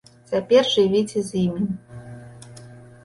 Цяпер жывіце з імі.